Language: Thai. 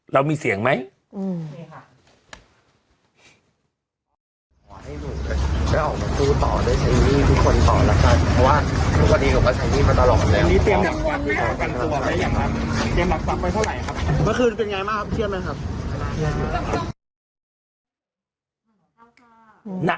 เรามีเสียงไหม